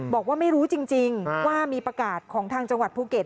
บอกว่าไม่รู้จริงว่ามีประกาศของทางจังหวัดภูเก็ต